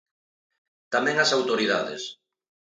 Tamén as autoridades.